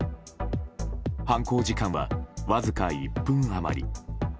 犯行時間は、わずか１分余り。